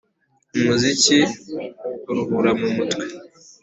Umuziki uruhura mumutwe